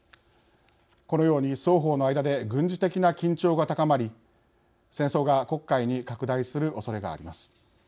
このように、双方の間で軍事的な緊張が高まり戦争が黒海に拡大するおそれがあります。